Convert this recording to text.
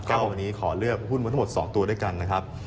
ก็วันนี้ขอเลือกหุ้นไว้ทั้งหมด๒ตัวด้วยกันนะครับ